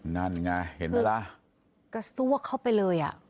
นั่นไงเห็นไหมล่ะกระซวกเข้าไปเลยอ่ะ